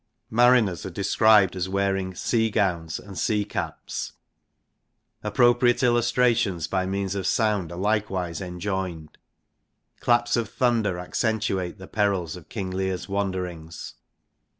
Mariners are described as wearing * sea gowns ' and * sea caps/ Appropriate illustrations by means of sound are likewise enjoined. Claps of thunder accentuate the perils of King Leir's wanderings.